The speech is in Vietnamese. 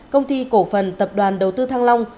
công ty cổ phần tập đoàn đầu tư thăng long